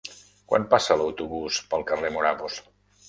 Quan passa l'autobús pel carrer Morabos?